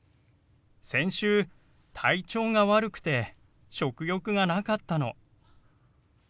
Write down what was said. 先週体調が悪くて食欲がなかったの。